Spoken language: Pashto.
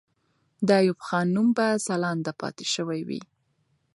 د ایوب خان نوم به ځلانده پاتې سوی وي.